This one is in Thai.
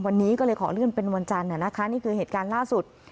วันนี้ก็เลยขอเลื่อนเป็นวันจันทร์นะคะนี่คือเหตุการณ์ล่าสุด